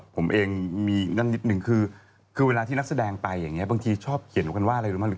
ผมเองมีนั่นนิดหนึ่งคือเวลาที่นักแสดงไปอย่างนี้บางทีชอบเขียนหรือไม่รู้หรือไม่รู้